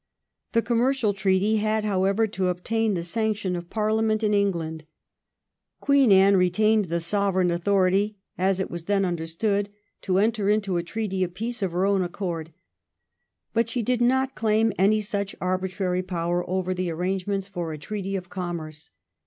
The commercial treaty had, however, to obtain the sanction of Parlia ment in England. Queen Anne retained the sovereign 1713 THE MEASURE DEFEATED. 145 authority, as it was then understood, to enter into a treaty of peace of her own accord, but she did not claim any such arbitrary power over the arrange ments for a treaty of commerce.